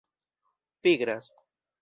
pigras